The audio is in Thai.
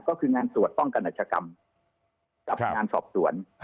ก็คืองานตรวจป้องกันอัชกรรมกับงานสอบสวน